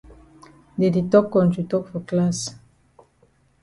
Dey di tok kontri tok for class.